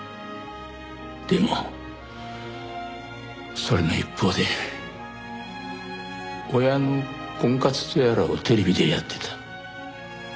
でもそれの一方で親の婚活とやらをテレビでやってた。